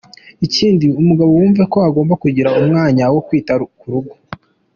Ikindi umugabo yumve ko agomba kugira umwanya wo kwita ku rugo.